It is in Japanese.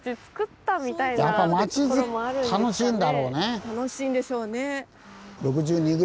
楽しいんでしょうね。